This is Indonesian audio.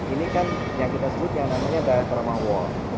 ini kan yang kita sebutnya namanya diorama wall